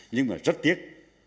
nhưng mà rất tiếc